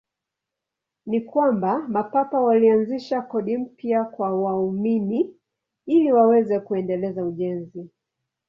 Ni kwamba Mapapa walianzisha kodi mpya kwa waumini ili waweze kuendeleza ujenzi.